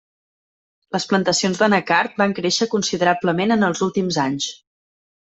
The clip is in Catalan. Les plantacions d'anacard van créixer considerablement en els últims anys.